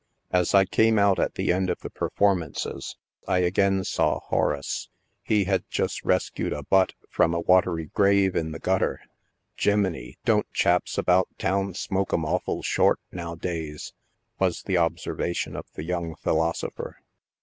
As I came out at the end of the performances I again saw '* Horace." He had just rescued a a butt" from a watery grave in the gutter. " Jeminy ! don't chaps about town smoke 'em awful short now'days !" was the observation of the young philosopher.